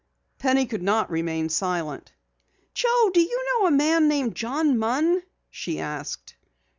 Penny could not remain silent. "Joe, do you know a man named John Munn?" she asked.